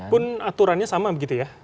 pun aturannya sama begitu ya